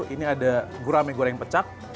ini ada gurame goreng pecak